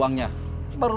dateng tamu dibuka